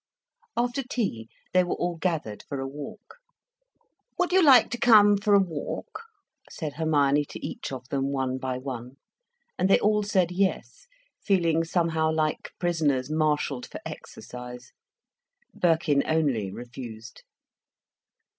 After tea, they were all gathered for a walk. "Would you like to come for a walk?" said Hermione to each of them, one by one. And they all said yes, feeling somehow like prisoners marshalled for exercise. Birkin only refused.